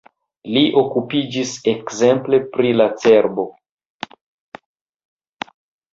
Li okupiĝis ekzemple pri la cerbo.